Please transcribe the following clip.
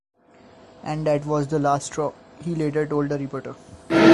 "And that was the last straw", he later told a reporter.